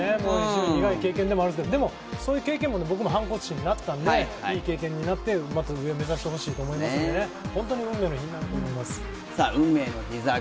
苦い経験でもあるんですが、そういう経験も僕の反骨心になったのでまた上を目指してほしいと思いますので、本当に運命の日になると思います。